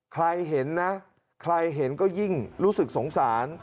ใครเห็นนะใครเห็นก็ยิ่งรู้สึกสงสาร